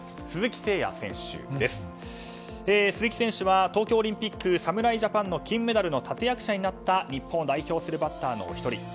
鈴木選手は東京オリンピック侍ジャパンの金メダルの立役者になった日本を代表するバッターの１人。